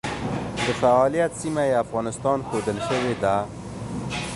د فعالیت سیمه یې افغانستان ښودل شوې ده.